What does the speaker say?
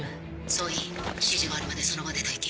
総員指示があるまでその場で待機。